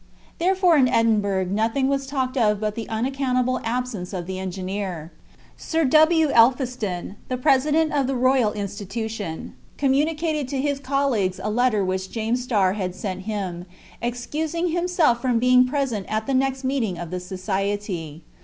Therefore in Edinburgh nothing was talked of but the unaccountable absence of the engineer. Sir W. Elphiston, the President of the Royal Institution, communicated to his colleagues a letter which James Starr had sent him, excusing himself from being present at the next meeting of the society.